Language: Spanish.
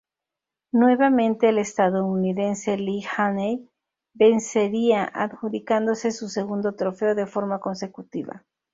Nuevamente el estadounidense Lee Haney vencería, adjudicándose su segundo trofeo de forma consecutiva.